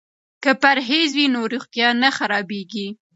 که پرهیز وي نو روغتیا نه خرابیږي.